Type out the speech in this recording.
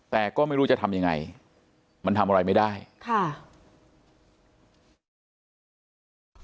แต่ก็ไม่รู้จะทำยังไงมันทำอะไรไม่ได้ค่ะ